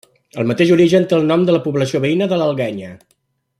El mateix origen té el nom de la població veïna de l'Alguenya.